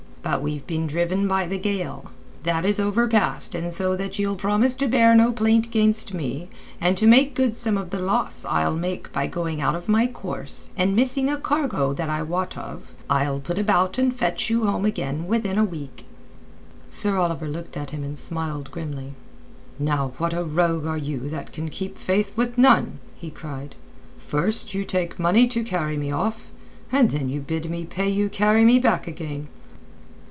But we've been driven by the gale. That is overpast, and so that ye'll promise to bear no plaint against me, and to make good some of the loss I'll make by going out of my course, and missing a cargo that I wot of, I'll put about and fetch you home again within a week." Sir Oliver looked at him and smiled grimly. "Now what a rogue are you that can keep faith with none!" he cried. "First you take money to carry me off; and then you bid me pay you to carry me back again."